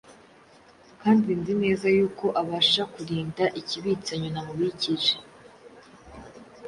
kandi nzi neza yuko abasha kurinda ikibitsanyo namubikije”